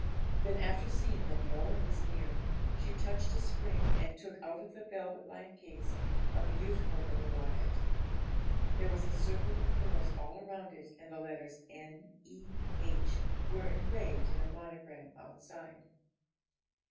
Then, after seeing that no one was near, she touched a spring, and took out of the velvet lined case a beautiful little locket. There was a circle of pearls all round it, and the letters N.E.H. were engraved in a monogram outside.